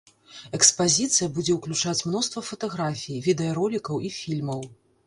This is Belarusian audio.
Экспазіцыя будзе ўключаць мноства фатаграфій, відэаролікаў і фільмаў.